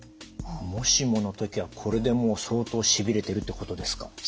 もしもの時はこれでもう相当しびれてるってことですか？